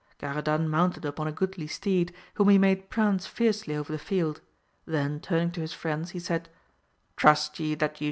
Garadan mounted upon a goodly steed, whom he made prance fiercely over the field, then turning to his friends he said, Trust ye that ye 248 AMADIS OF GAUL.